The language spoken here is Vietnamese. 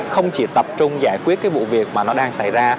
không chỉ tập trung giải quyết cái vụ việc mà nó đang xảy ra